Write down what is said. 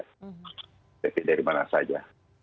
ktp dari mana saja